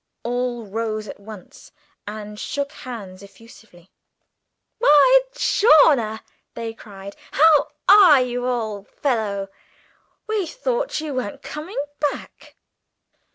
All rose at once, and shook hands effusively. "Why, Chawner!" they cried, "how are you, old fellow? We thought you weren't coming back!"